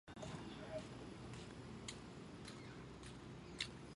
这极大的限定了那种凯莱表可以令人信服的定义有效的群运算。